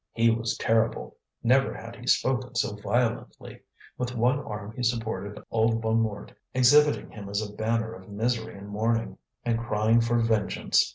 He was terrible; never had he spoken so violently. With one arm he supported old Bonnemort, exhibiting him as a banner of misery and mourning, and crying for vengeance.